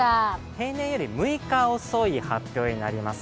平年より６日遅い発表になります。